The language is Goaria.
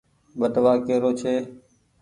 ٻٽوآ ڪيرو ڇي۔